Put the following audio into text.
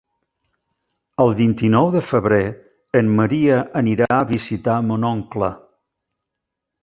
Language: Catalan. El vint-i-nou de febrer en Maria anirà a visitar mon oncle.